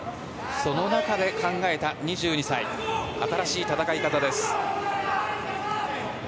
その中で考えた、２２歳の新しい戦い方です。